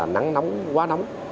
nắng nóng quá nóng